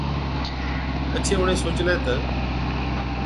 پڇي اُڻهين سوچلَي تہ،